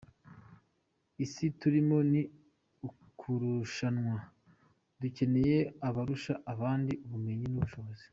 Isi turimo ni ukurushanwa, dukeneye abarusha abandi ubumenyi n’ubushobozi.